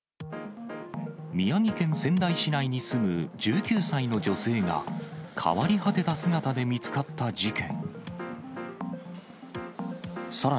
宮城県仙台市内に住む１９歳の女性が、変わり果てた姿で見つかった事件。